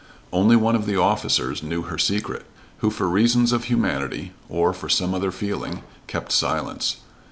Only one of the officers knew her secret, who for reasons of humanity or for some other feeling kept silence.